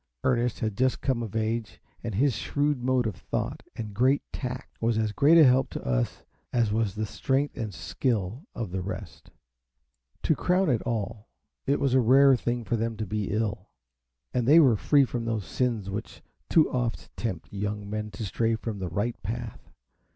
Ernest had just come of age, and his shrewd mode of thought and great tact was as great a help to us as was the strength and skill of the rest. To crown all, it was a rare thing for them to be ill; and they were free from those sins which too oft tempt young men to stray from the right path.